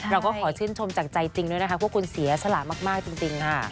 เราก็ขอชื่นชมจากใจจริงด้วยนะคะพวกคุณเสียสละมากจริงค่ะ